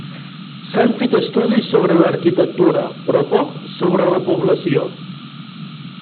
S'han fet estudis sobre l'arquitectura però poc sobre la població.